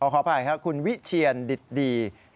อ้อขออภัยค่ะคุณวิเชียนดิดดี